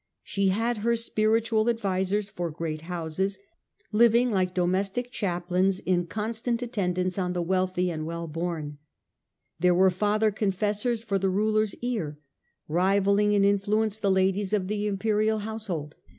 She had her spiritual advisers for great houses, living like domestic chaplains in constant attendance on the wealthy and well born. There were father confessors for the ruler's ear, rivalling in influence the ladies of the imperial 1 70 The Age of the A ntomnes. ch. vni. household.